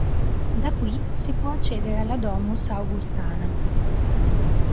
Da qui si può accedere alla Domus Augustana.